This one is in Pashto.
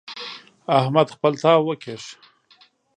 احمد خپل تاو وکيښ.